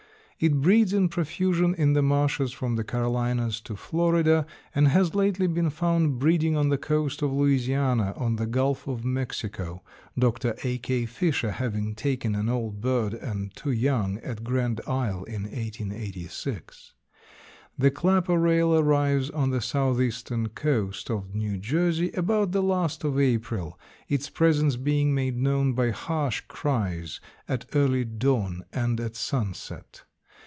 It breeds in profusion in the marshes from the Carolinas to Florida, and has lately been found breeding on the coast of Louisiana on the Gulf of Mexico, Dr. A. K. Fisher having taken an old bird and two young at Grand Isle in 1886. The clapper rail arrives on the south eastern coast of New Jersey about the last of April, its presence being made known by harsh cries at early dawn and at sunset.